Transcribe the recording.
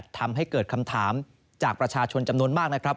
ทำให้เกิดคำถามจากประชาชนจำนวนมากนะครับ